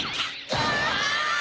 うわ！